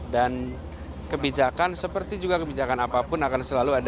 dan kebijakan seperti juga kebijakan apapun akan selalu berlaku